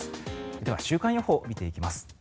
では週間予報を見ていきます。